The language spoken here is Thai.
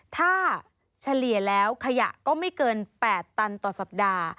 ถ้าเฉลี่ยแล้วขยะก็ไม่เกิน๘ตันต่อสัปดาห์